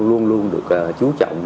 luôn luôn được chú trọng